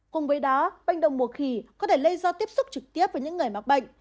cùng với đó manh động mùa khỉ có thể lây do tiếp xúc trực tiếp với những người mắc bệnh